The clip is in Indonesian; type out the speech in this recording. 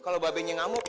kalau mbak be nya ngamuk